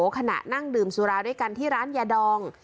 ขณะนั่งดื่มสุราด้วยกันที่ร้านยาดอง